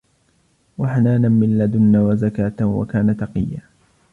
وحنانا من لدنا وزكاة وكان تقيا